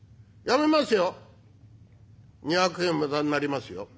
やめますよ！」。